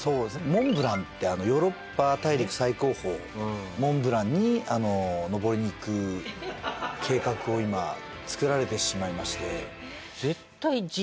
モンブランってヨーロッパ大陸最高峰モンブランに登りに行く計画を今作られてしまいまして。